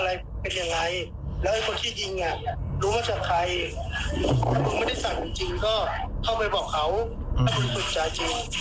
ถ้าบริสุทธิ์ใจจริง